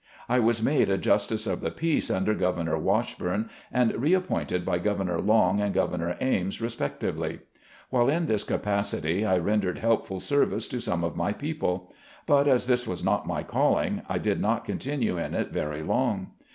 I was made a Justice of the Peace, under Governor Washburn, and reappointed by Governor Long and Governor Ames, respectively. While in this capac ity I rendered helpful service to some of my people. But as this was not my calling I did not continue in it very long.